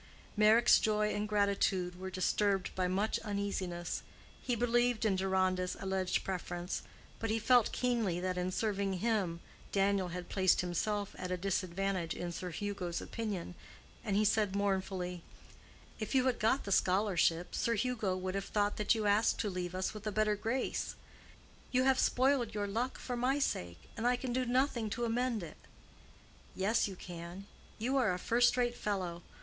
Meyrick's joy and gratitude were disturbed by much uneasiness. He believed in Deronda's alleged preference, but he felt keenly that in serving him Daniel had placed himself at a disadvantage in Sir Hugo's opinion, and he said mournfully, "If you had got the scholarship, Sir Hugo would have thought that you asked to leave us with a better grace. You have spoiled your luck for my sake, and I can do nothing to amend it." "Yes, you can; you are to be a first rate fellow.